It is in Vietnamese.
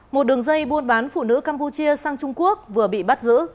một đường dây buôn bán phụ nữ campuchia sang trung quốc vừa bị bắt giữ